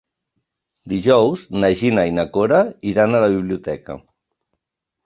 Dijous na Gina i na Cora iran a la biblioteca.